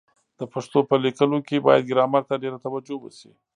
د پښتو په لیکلو کي بايد ګرامر ته ډېره توجه وسي.